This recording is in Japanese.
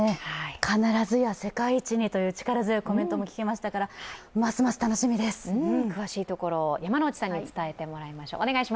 必ずや世界一にという力強いコメントも聞けましたから、詳しいところを山内さんに伝えてもらいます。